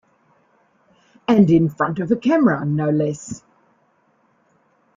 And in front of a camera, no less!